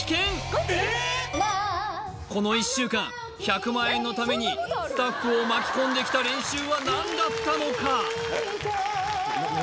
この１週間１００万円のためにスタッフを巻き込んできた練習は何だったのか？